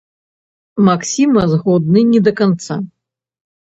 Максіма згодны не да канца.